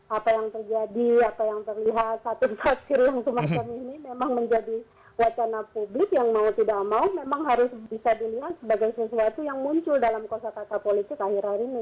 jadi apa yang terjadi apa yang terlihat satu pasir yang semacam ini memang menjadi wacana publik yang mau tidak mau memang harus bisa dilihat sebagai sesuatu yang muncul dalam kosa kata politik akhir akhir ini